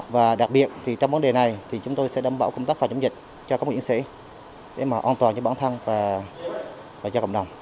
và đặc biệt thì trong vấn đề này thì chúng tôi sẽ đảm bảo công tác phản ứng